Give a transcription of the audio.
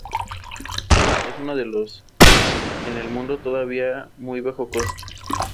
Para combatir estos riesgos se han establecido reservas naturales en Mongolia, Kazajistán y Rusia.